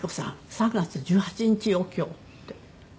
３月１８日よ今日」って。